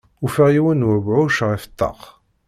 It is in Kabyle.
Ufiɣ yiwen n webɛuc ɣef ṭṭaq.